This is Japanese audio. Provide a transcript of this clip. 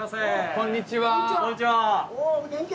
こんにちは。